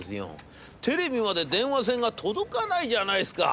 テレビまで電話線が届かないじゃないですか』。